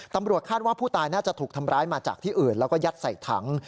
ตำรวจคาดว่าผู้ตายน่าจะถูกทำร้ายมาจากที่อื่นแล้วก็ยัดใส่ถัง